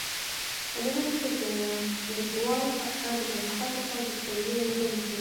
ازادي راډیو د کډوال په اړه د پرمختګ لپاره د ستراتیژۍ ارزونه کړې.